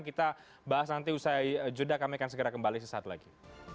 kita bahas nanti usai jeda kami akan segera kembali sesaat lagi